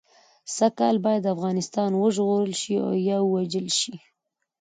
سږ کال باید افغانستان وژغورل شي او یا ووژل شي.